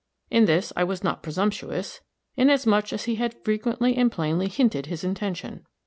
In this I was not presumptuous, inasmuch as he had frequently and plainly hinted his intention.